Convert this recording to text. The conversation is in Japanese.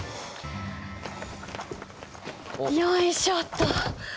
よいしょっと！